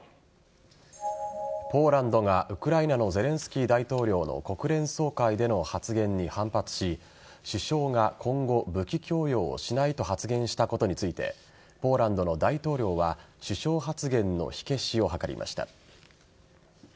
ポーランドがウクライナのゼレンスキー大統領の国連総会での発言に反発し首相が今後武器供与をしないと発言したことについてポーランドの大統領は首相発言の火消しを図りました。